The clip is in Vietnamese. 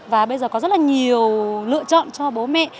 và bây giờ có rất là nhiều lựa chọn cho bố mẹ